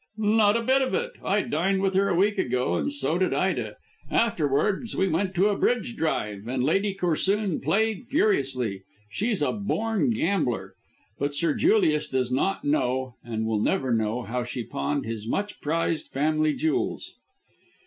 "Not a bit of it. I dined with her a week ago, and so did Ida. Afterwards we went to a bridge drive and Lady Corsoon played furiously. She's a born gambler. But Sir Julius does not know, and never will know, how she pawned his much prized family jewels."